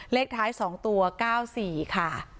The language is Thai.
เลขท้าย๒ตัว๙๔ค่ะ